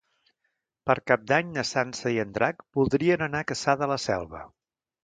Per Cap d'Any na Sança i en Drac voldrien anar a Cassà de la Selva.